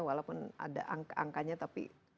walaupun ada angkanya tapi